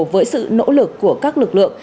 với sự nỗ lực của các lực lượng